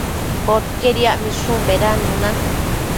Poquied yacmishun bedannuna